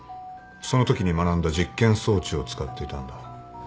そのときに学んだ実験装置を使っていたんだ。